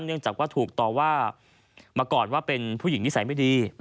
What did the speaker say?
เนื่องจากว่าถูกต่อว่ามาก่อนว่าเป็นผู้หญิงนิสัยไม่ดี